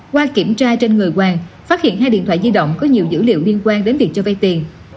qua kiểm tra trên người hoàng phát hiện hai điện thoại di động có nhiều dữ liệu liên quan đến việc cho vay tiền